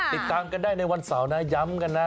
ติดตามกันได้ในวันเสาร์นะย้ำกันนะ